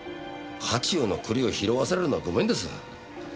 火中の栗を拾わされるのはごめんです。